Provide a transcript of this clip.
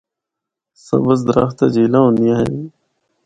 سبز درخت تے جھیلاں ہوندیاں ہن۔